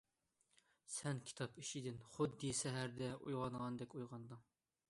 سەن كىتاب ئىچىدىن خۇددى سەھەردە ئويغانغاندەك ئويغاندىڭ.